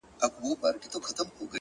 اخلاص د باور ستنې ټینګوي.!